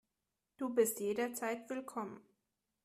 Du bist jederzeit willkommen.